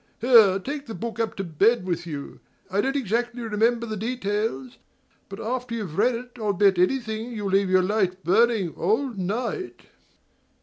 Here, take the book up to bed with you. I don't exactly remember the details; but after you've read it I'll bet anything you'll leave your light burning all night!"